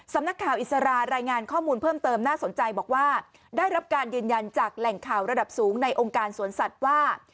สำนักข่าวอิสรารายงานข้อมูลเพิ่มเติมน่าสนใจบอกว่าได้รับการยืนยันจากแหล่งข่าวระดับสูงในองค์การสวนสัตว์ว่า